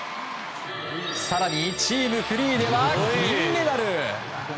更にチームフリーでは銀メダル！